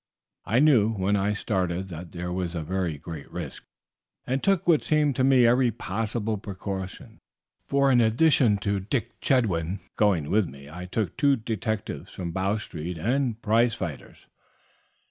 I knew when I started that there was a very great risk, and took what seemed to me every possible precaution, for in addition to Dick Chetwynd going with me, I took two detectives from Bow Street and two prize fighters."